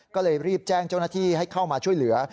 ก็เลยรีบแจ้งเจ้าหน้าที่ให้เข้ามาช่วยเหลือ